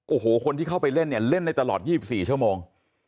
โอ้โหคนที่เข้าไปเล่นเนี่ยเล่นได้ตลอด๒๔ชั่วโมง